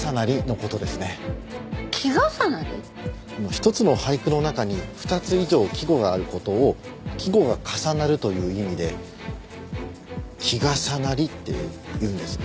１つの俳句の中に２つ以上季語がある事を季語が重なるという意味で「季重なり」っていうんです。